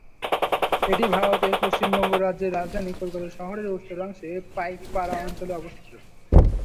এটি ভারতের পশ্চিমবঙ্গ রাজ্যের রাজধানী কলকাতা শহরের উত্তরাংশের পাইকপাড়া অঞ্চলে অবস্থিত।